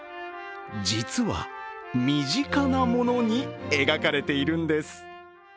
実は身近なものに描かれているんです。